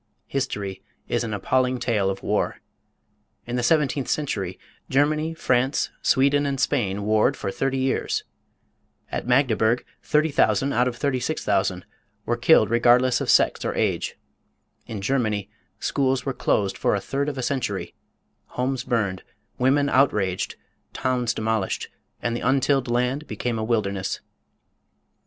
History is an appalling tale of war. In the seventeenth century Germany, France, Sweden, and Spain warred for thirty years. At Magdeburg 30,000 out of 36,000 were killed regardless of sex or age. In Germany schools were closed for a third of a century, homes burned, women outraged, towns demolished, and the untilled land became a wilderness.